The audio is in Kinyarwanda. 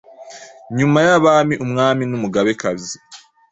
nyuma y’ “abami” umwami n’umugabekazi.